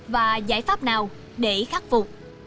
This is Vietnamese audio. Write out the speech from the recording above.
và giải pháp nào để khắc phục